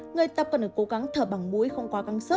người tập cần phải cố gắng thở bằng mũi không quá gắn sức